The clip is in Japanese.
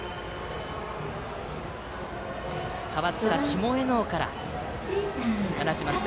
代わった下醉尾から放ちました。